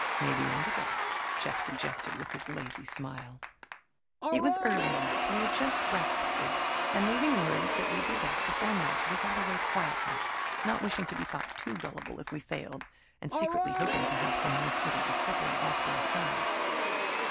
"May be indigo," Jeff suggested, with his lazy smile. It was early yet; we had just breakfasted; and leaving word that we'd be back before night, we got away quietly, not wishing to be thought too gullible if we failed, and secretly hoping to have some nice little discovery all to ourselves.